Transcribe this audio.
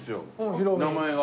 名前が。